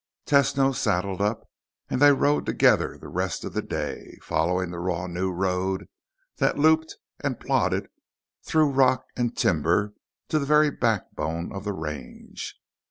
Tesno saddled up, and they rode together the rest of the day, following the raw new road that looped and plodded through rock and timber to the very backbone of the range.